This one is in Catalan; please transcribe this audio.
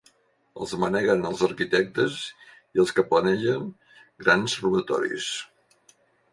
Els manegen els arquitectes i els que planegen grans robatoris.